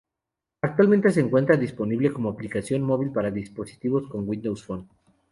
Actualmente se encuentra disponible como aplicación móvil para dispositivos con Windows Phone.